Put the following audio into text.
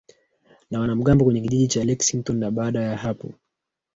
na wanamgambo kwenye kijiji cha Lexington na baada ya